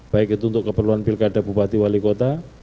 baik itu untuk keperluan pilkada bupati wali kota